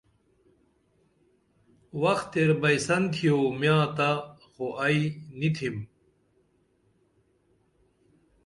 وخ تیر بئی سن تھیو میاں تہ خو ائی نی تِھم